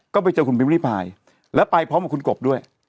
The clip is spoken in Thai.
ก็ไปเจอคุณพิมริพายแล้วไปพร้อมกับคุณกบด้วย